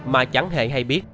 mà chẳng hề hay biết